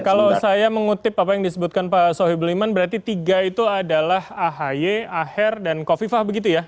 kalau saya mengutip apa yang disebutkan pak sohibul iman berarti tiga itu adalah ahy aher dan kofifah begitu ya